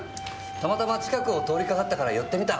たまたま近くを通りかかったからよってみた！